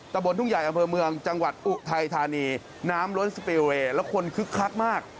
บนทุ่งใหญ่อำเภอเมืองจังหวัดอุทัยธานีน้ำล้นสเปลเวย์แล้วคนคึกคักมาก